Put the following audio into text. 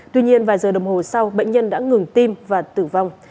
tuy nhiên vài giờ đồng hồ sau bệnh nhân đã ngừng tim và tử vong